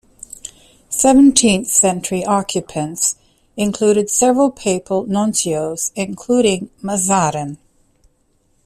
Seventeenth-century occupants included several papal nuncios, including Mazarin.